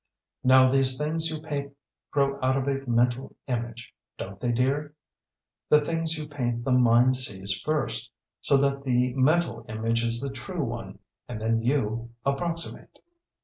Now these things you paint grow out of a mental image don't they, dear? The things you paint the mind sees first, so that the mental image is the true one, and then you approximate.